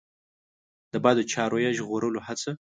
د بدو چارو یې ژغورلو هڅه.